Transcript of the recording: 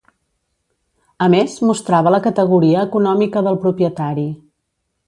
A més, mostrava la categoria econòmica del propietari.